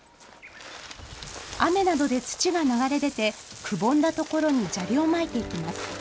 雨などで土が流れ出て、くぼんだ所に砂利をまいていきます。